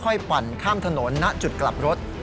ปั่นข้ามถนนณจุดกลับรถ